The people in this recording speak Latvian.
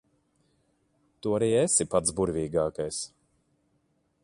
Tu arī esi pats burvīgākais.